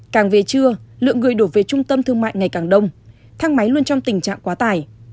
càng về trưa lượng người đổ về trung tâm thương mại ngày càng đông thang máy luôn trong tình trạng quá tải